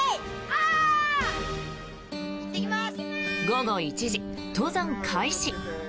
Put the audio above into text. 午後１時、登山開始。